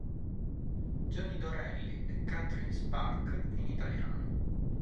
Johnny Dorelli e Catherine Spaak in italiano.